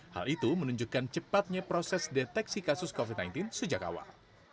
hal itu menunjukkan cepatnya proses deteksi kasus covid sembilan belas sejak awal